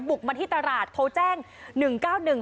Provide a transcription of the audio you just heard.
บุกมาที่ตลาดโทรแจ้ง๑๙๑